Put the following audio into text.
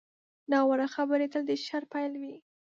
ناوړه خبرې تل د شر پیل وي